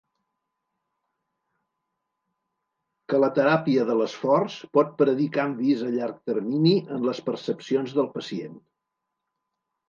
Que la teràpia de l'esforç pot predir canvis a llarg termini en les percepcions del pacient.